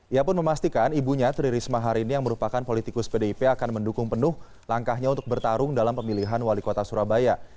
ia pun memastikan ibunya tri risma hari ini yang merupakan politikus pdip akan mendukung penuh langkahnya untuk bertarung dalam pemilihan wali kota surabaya